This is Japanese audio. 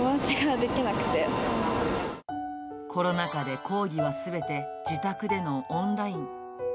コロナ禍で講義はすべて自宅でのオンライン。